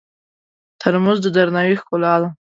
ترموز د درناوي ښکلا ده.